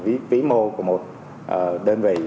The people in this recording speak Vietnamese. vĩ mô của một đơn vị